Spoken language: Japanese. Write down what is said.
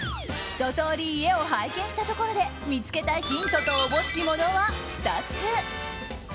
ひと通り家を拝見したところで見つけたヒントと思しきものは２つ。